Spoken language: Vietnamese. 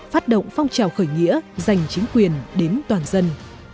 phát động phong trào khởi nghĩa giành chính quyền đến toàn dân